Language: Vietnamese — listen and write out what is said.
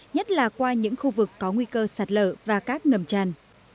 nhất là qua những khu vực có nguy cơ sạt lở và các ngầm tràn